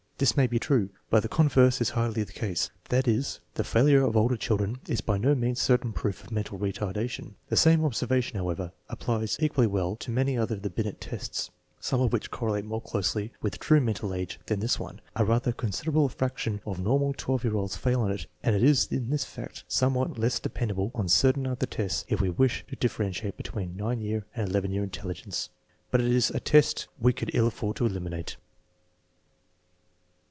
This may be true; but the converse is hardly the case; that is, the failure of older children is by no means certain proof of mental retardation. The same observation, however, applies equally well to many other of the Binet tests, some of which correlate more closely with true mental age than this one. A rather considerable fraction of normal 12 year olds fail on it, and it is in fact somewhat less dependable than certain other tests if we wish to differentiate between 9 year and 11 year intelligence. But it is a test we could ill afford to eliminate.